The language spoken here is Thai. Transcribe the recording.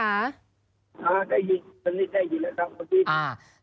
อ่าได้ยินตอนนี้ได้ยินแล้วครับพี่